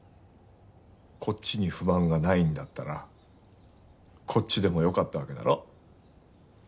こっちに不満がないんだったらこっちでもよかったわけだろ。